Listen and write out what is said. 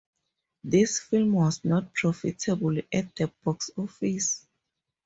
This film was not profitable at the box office.